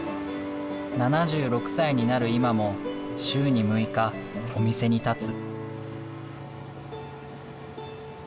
７６歳になる今も週に６日お店に立つ。